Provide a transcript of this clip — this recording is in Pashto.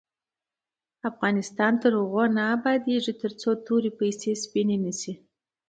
افغانستان تر هغو نه ابادیږي، ترڅو توري پیسې سپینې نشي.